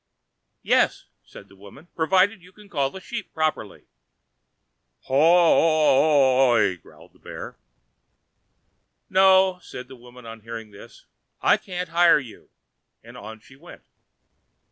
"Yes," said the woman, "provided you can call the sheep properly." "Ho—o—y!" growled the bear. "No," said the woman on hearing this, "I can't hire you," and on she went.